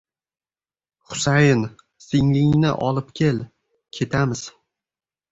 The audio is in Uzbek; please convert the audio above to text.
Xusayin! Singlingni olib kel, ketamiz.